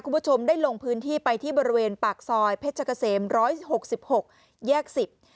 คุณผู้ชมได้ลงพื้นที่ไปที่บริเวณปากซอยเพชรเกษมร้อยหกสิบหกแยกสิบ